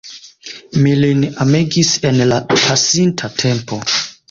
Mi lin amegis en la pasinta tempo.